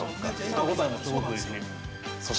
◆歯ごたえもすごくいいし。